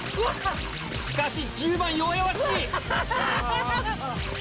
しかし１０番弱々しい！